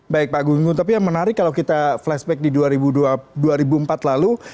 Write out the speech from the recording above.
baik pak gunggun tapi yang menarik kalau kita flashback di dua ribu empat lalu